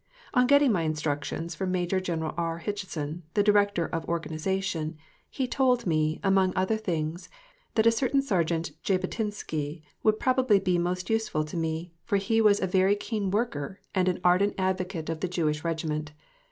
On getting my instructions from Major General R. Hutchison, the Director of Organization, he told me, among other things, that a certain Sergeant Jabotinsky would probably be most useful to me, for he was a very keen worker and an ardent advocate of the Jewish Regiment.